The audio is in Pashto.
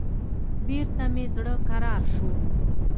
بېرته مې زړه کرار سو.